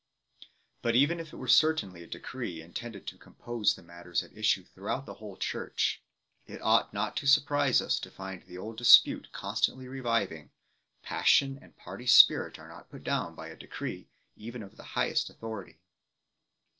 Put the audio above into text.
But even if it were certainly a decree intended to compose the matters at issue throughout the whole church, it ought not to surprise us to find the old dispute constantly re viving; passion and party spirit are not put down by a decree, even of the highest authority.